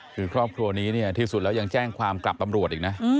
คือครอบครัวนี้เนี่ยที่สุดแล้วยังแจ้งความกลับตำรวจอีกนะ